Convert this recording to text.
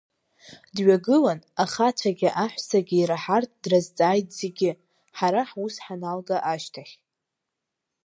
Дҩагылан, ахацәагьы аҳәсагьы ираҳартә, дразҵааит зегьы, ҳара ҳус ҳаналга ашьҭахь.